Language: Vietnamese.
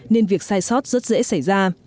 nên việc sai sót rất dễ xảy ra